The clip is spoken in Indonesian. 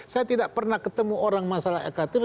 saya tidak pernah ketemu orang masalah ektp